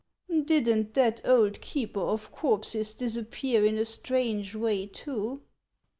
" Did n't that old keeper of corpses disappear in a strange way, too